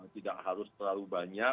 tidak harus terlalu banyak